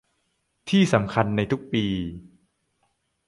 ที่สำคัญในทุกปี